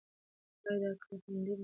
ایا دا کار خوندي دی؟